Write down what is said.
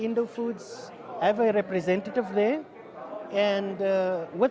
indo foods memiliki representatif di sana